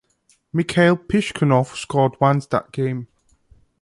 Mikhail Piskunov scored once that game.